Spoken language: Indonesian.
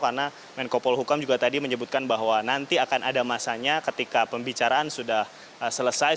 karena menko polhukam juga tadi menyebutkan bahwa nanti akan ada masanya ketika pembicaraan sudah selesai